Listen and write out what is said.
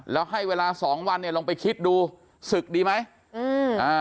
แล้วให้เวลาสองวันเนี่ยลองไปคิดดูศึกดีไหมอืมอ่า